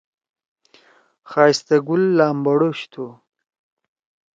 خائستہ گل لامبڑوش تُھو۔